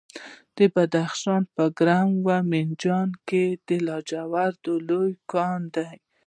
د بدخشان په کران او منجان کې د لاجوردو لوی کان دی.